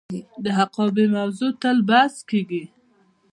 د حقابې موضوع تل بحث کیږي.